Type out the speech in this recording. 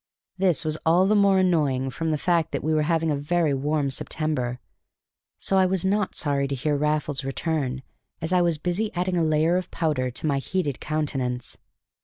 This was all the more annoying from the fact that we were having a very warm September; so I was not sorry to hear Raffles return as I was busy adding a layer of powder to my heated countenance.